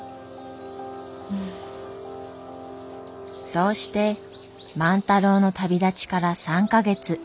そうして万太郎の旅立ちから３か月。